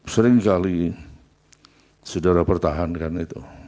seringkali saudara pertahankan itu